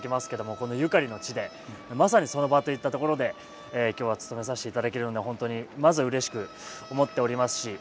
このゆかりの地でまさにその場といった所で今日はつとめさせていただけるので本当にまずうれしく思っておりますし。